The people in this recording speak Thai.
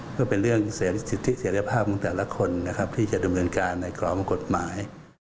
เพื่อเป็นเรื่องสิทธิเสร็จภาพของแต่ละคนนะครับที่จะดำเนินการในกรองกฎหมาย